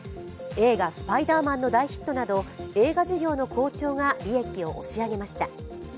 映画「スパイダーマン」の大ヒットなど、映画事業の好調が利益を押し上げました。